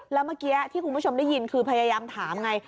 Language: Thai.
แล้วเมื่อกี้ที่คุณผู้ชมได้ยินคือพยายามถามไง